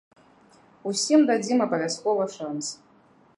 Усім дадзім абавязкова шанс.